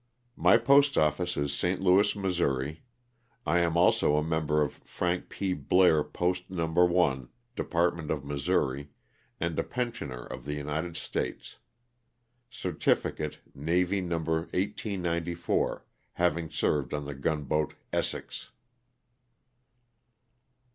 My postoffice is St. Louis, Mo. I am also a member of Frank P. Blair Post No. 1, Department of Missouri, and a pensioner of the United States ; Certificate, Navy No. 1894, having served on the gunboat ''Essex."